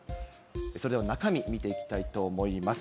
それでは中身、見ていきたいと思います。